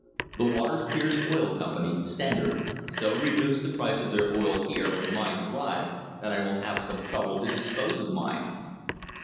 The Waters Pierce Oil Company (Standard) so reduced the price of their oil here when mine arrived that I will have some trouble to dispose of mine.